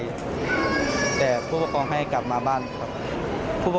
พวกเพราะเขาให้กลับมาบ้านครับ